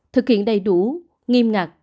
thực hiện đầy đủ nghiêm ngặt